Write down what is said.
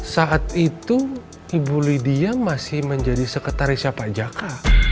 saat itu ibu lydia masih menjadi sekretarisnya pak jaka